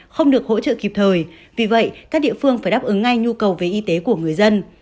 không được hỗ trợ kịp thời vì vậy các địa phương phải đáp ứng ngay nhu cầu về y tế của người dân